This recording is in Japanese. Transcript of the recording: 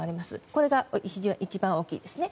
これが一番大きいですね。